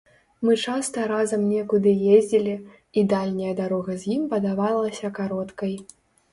Мы часта разам некуды ездзілі, і дальняя дарога з ім падавалася кароткай.